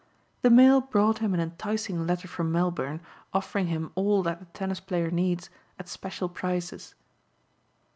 The mail brought him an enticing letter from Melbourne offering him all that the tennis player needs, at special prices.